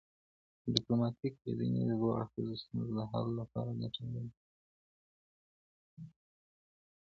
ډیپلوماټیک ليدني د دوه اړخیزو ستونزو د حل لپاره ګټوري دي.